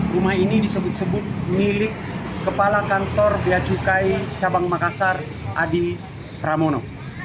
rumah ini disebut sebut milik kepala kantor bia cukai cabang makassar andi pramono